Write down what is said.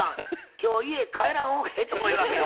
今日家へ帰らん方がええと思いますよ